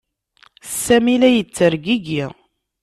Sami la yettergigi.